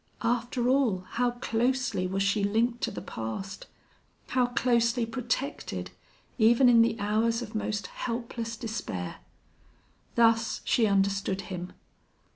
After all, how closely was she linked to the past! How closely protected, even in the hours of most helpless despair! Thus she understood him.